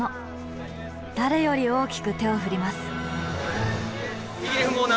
誰より大きく手を振ります。